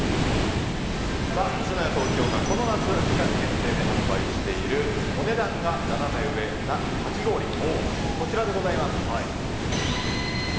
星のや東京がこの夏、期間限定で販売しているお値段がナナメ上なかき氷、こちらです。